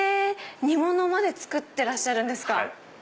煮物まで作ってらっしゃるんですか。